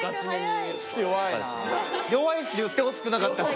弱いし言ってほしくなかったし。